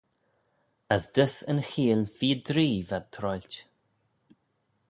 As dys yn cheeill feer dree v'ad troailt.